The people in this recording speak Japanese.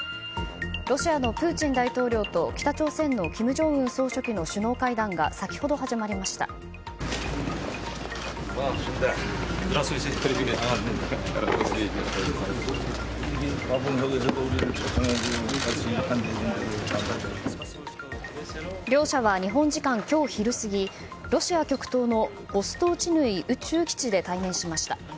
ロシアのプーチン大統領と北朝鮮の金正恩総書記の首脳会談が先ほどはじまりました。両者は日本時間、今日昼過ぎロシア極東のボストーチヌイ宇宙基地で対面しました。